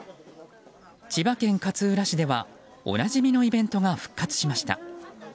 千葉県勝浦市では、おなじみのイベントが復活しました。